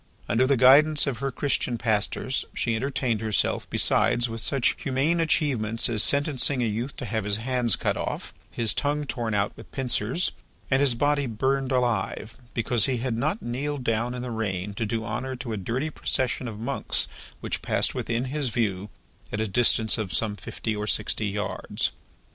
Under the guidance of her Christian pastors, she entertained herself, besides, with such humane achievements as sentencing a youth to have his hands cut off, his tongue torn out with pincers, and his body burned alive, because he had not kneeled down in the rain to do honour to a dirty procession of monks which passed within his view, at a distance of some fifty or sixty yards.